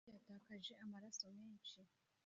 ndetseko yatakaje amaraso menshi